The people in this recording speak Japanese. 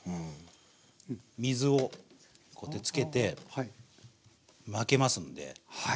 水をこうやってつけて巻けますんで。